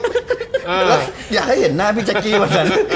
แล้วอย่าให้เห็นหน้าพี่จัคกี้ว่าถ่าย